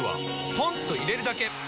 ポンと入れるだけ！